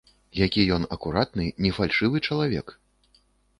Які ён акуратны, не фальшывы чалавек!